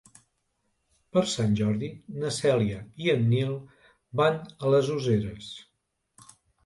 Per Sant Jordi na Cèlia i en Nil van a les Useres.